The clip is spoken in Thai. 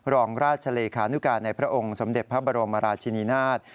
รองราชเลขานุการณ์ในพระองค์สมเด็จพระบรมราชินีนาฏ